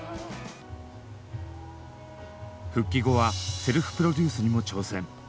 復帰後はセルフプロデュースにも挑戦。